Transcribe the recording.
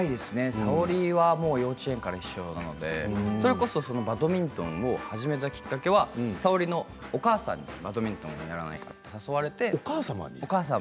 Ｓａｏｒｉは幼稚園から一緒なので、それこそバドミントンを始めたきっかけはＳａｏｒｉのお母さんにバドミントンをやらないかと誘われて。